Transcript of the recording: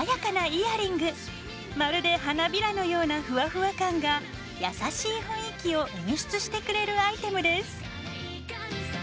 まるで花びらのようなふわふわ感が優しい雰囲気を演出してくれるアイテムです。